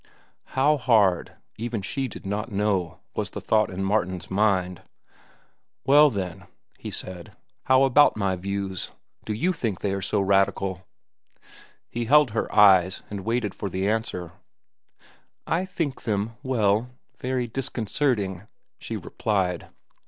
How hard, even she did not know, was the thought in Martin's mind. "Well, then," he said, "how about my views? Do you think they are so radical?" He held her eyes and waited the answer. "I think them, well, very disconcerting," she replied.